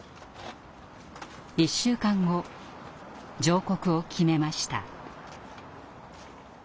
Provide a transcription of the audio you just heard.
１週間後上告を決めました。